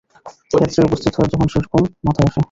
ক্ষেত্রে উপস্থিত হয়ে যখন যেরকম মাথায় আসে।